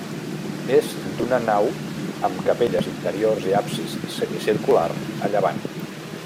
És d'una nau amb capelles interiors i absis semicircular a llevant.